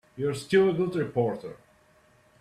You're still a good reporter.